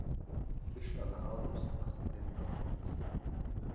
Vyšla na albu "Z pastvin velkoměsta".